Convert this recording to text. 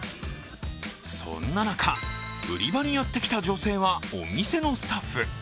そんな中、売り場にやってきた女性はお店のスタッフ。